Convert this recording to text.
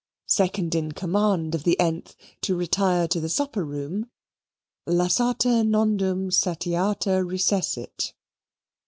second in command of the th, to retire to the supper room, lassata nondum satiata recessit.